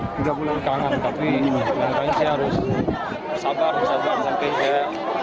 tiga bulan kangen tapi nanti harus sabar sampai saya menunggu jangan ada hari hari ini yang bisa terbering